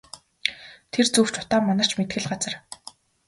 Тэр зүг ч утаа манарч мэдэх л газар.